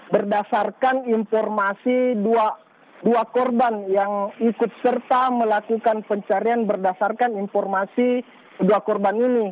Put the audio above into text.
berdasarkan informasi dua korban yang ikut serta melakukan pencarian berdasarkan informasi kedua korban ini